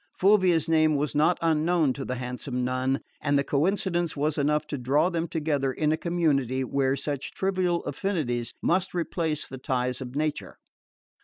Fulvia's name was not unknown to the handsome nun, and the coincidence was enough to draw them together in a community where such trivial affinities must replace the ties of nature.